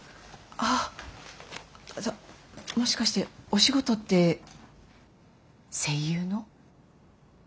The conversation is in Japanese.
あっじゃあもしかしてお仕事って声優の？